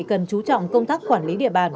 cần chú trọng công tác quản lý địa bàn